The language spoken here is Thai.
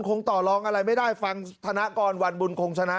ต่อลองอะไรไม่ได้ฟังธนกรวันบุญคงชนะ